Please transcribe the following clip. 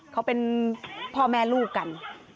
เขาเป็นพ่อแม่ลูกกัน